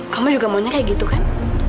kamu juga maunya kayak gitu kan